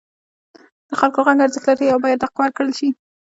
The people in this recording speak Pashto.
د خلکو غږ ارزښت لري او باید حق ورکړل شي.